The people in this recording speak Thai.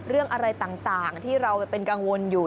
เรื่องอะไรต่างที่เราเป็นกังวลอยู่